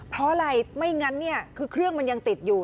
เพราะอะไรไม่งั้นเนี่ยคือเครื่องมันยังติดอยู่